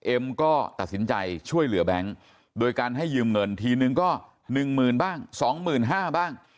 เอ็มก็ตัดสินใจช่วยเหลือแบงค์โดยการให้ยืมเงินทีนึงก็๑๐๐๐บ้าง๒๕๐๐บ้าง